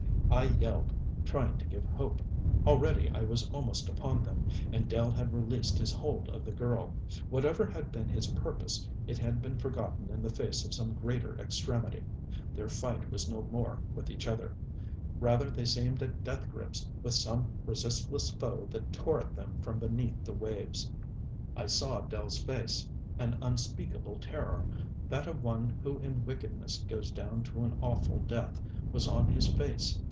I yelled, trying to give hope. Already I was almost upon them; and Dell had released his hold of the girl. Whatever had been his purpose it had been forgotten in the face of some greater extremity. Their fight was no more with each other: rather they seemed at death grips with some resistless foe that tore at them from beneath the waves. I saw Dell's face. An unspeakable terror, that of one who in wickedness goes down to an awful death, was on his face.